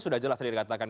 sudah jelas tadi dikatakan